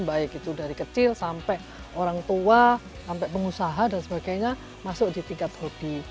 baik itu dari kecil sampai orang tua sampai pengusaha dan sebagainya masuk di tingkat hobi